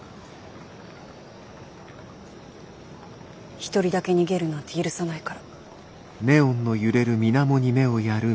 一人だけ逃げるなんて許さないから。